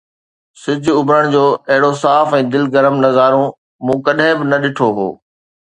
سج اڀرڻ جو اهڙو صاف ۽ دل گرم نظارو مون ڪڏهن به نه ڏٺو هو